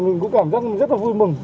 thì mình cũng cảm giác rất là vui mừng